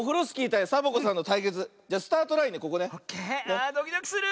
ああドキドキする！